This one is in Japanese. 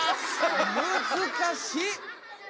難しい。